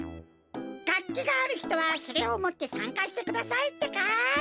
がっきがあるひとはそれをもってさんかしてくださいってか！